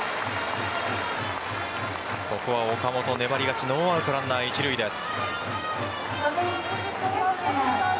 ここは岡本、粘り勝ちノーアウトランナー一塁です。